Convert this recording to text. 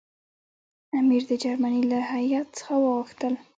امیر د جرمني له هیات څخه وغوښتل.